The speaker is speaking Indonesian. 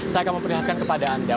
saya akan memperlihatkan kepada anda